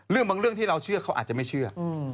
บางเรื่องที่เราเชื่อเขาอาจจะไม่เชื่อ